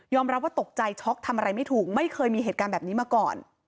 รับว่าตกใจช็อกทำอะไรไม่ถูกไม่เคยมีเหตุการณ์แบบนี้มาก่อน